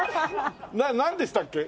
なんなんでしたっけ？